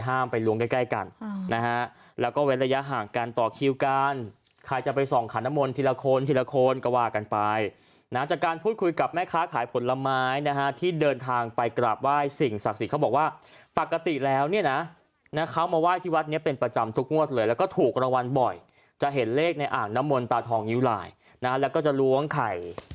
ห้ามไปล้วงใกล้กันนะฮะแล้วก็ไว้ระยะห่างกันต่อคิวกันใครจะไปส่องขานมนต์ทีละคนทีละคนก็ว่ากันไปนะจากการพูดคุยกับแม่ค้าขายผลไม้นะฮะที่เดินทางไปกราบว่ายสิ่งศักดิ์สิทธิ์เขาบอกว่าปกติแล้วเนี่ยนะนะเขามาว่ายที่วัดเนี่ยเป็นประจำทุกงวดเลยแล้วก็ถูกรวรรณบ่อยจะเห็นเลขในอ่านมนต์ตาทองยิ